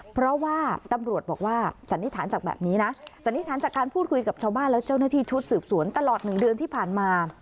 เพราะว่าตำรวจบอกว่าสันนิษฐานจากแบบนี้นะสันนิษฐานจากการพูดคุยกับชาวบ้านและเจ้าหน้าที่ชุดสืบสวนตลอด๑เดือนที่ผ่านมา